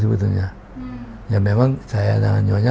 tapi kepergian pergian itu agak jarang sebetulnya